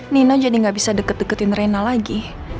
nino jadi gak bisa deket deketin reina lagi